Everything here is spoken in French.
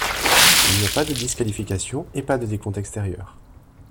Il n'y a pas de disqualification et pas de décompte extérieur.